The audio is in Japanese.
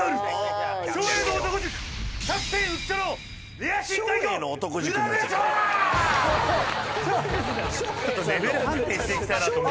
レベル判定していきたいなと思って。